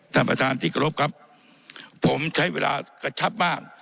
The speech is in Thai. ท่านประธานที่กรบครับผมใช้เวลากระชับมาก